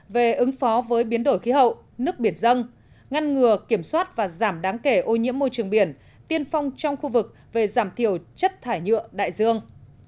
về ứng phó với biến đổi khí hậu nước biển dân ngăn ngừa kiểm soát và giảm đáng kể ô nhiễm môi trường biển tiên phong trong khu vực về giảm thiểu chất thải nhựa đại dương